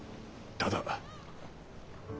ただ？